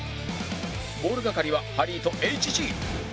ボール係はハリーと ＨＧ